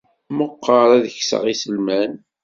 Meqqer ad kesseɣ iselman.